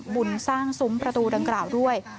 บุญสร้างซุ้มประตูดังกล่าวด้วย